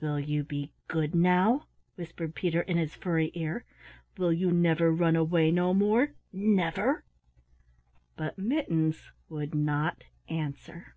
"Will you be good now?" whispered Peter in his furry ear. "Will you never run away no more never?" But Mittens would not answer.